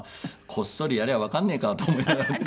こっそりやりゃわかんねえかと思いながらね。